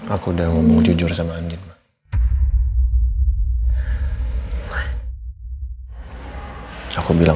aku udah janji sama diriku sendiri